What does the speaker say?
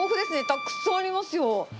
たくさんありますよ。